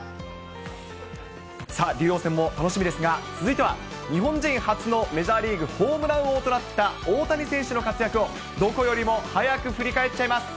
さあ、竜王戦も楽しみですが、続いては、日本人初のメジャーリーグホームラン王となった大谷選手の活躍を、どこよりも早く振り返っちゃいます。